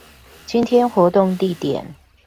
今天活動地點